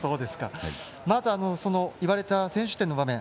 まず言われた先取点の場面。